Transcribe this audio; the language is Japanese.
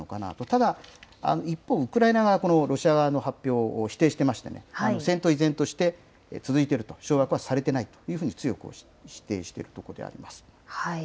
ただ一方、ウクライナ側はロシア側の発表を否定してましてね、戦闘、依然として続いてると、掌握はされてないというふうに、強く否定しているところであります。